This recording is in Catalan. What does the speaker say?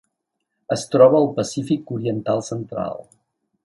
Es troba al Pacífic oriental central.